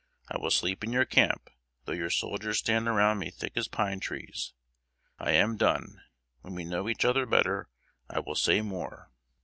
I will sleep in your camp, though your soldiers stand around me thick as pine trees. I am done: when we know each other better, I will say more."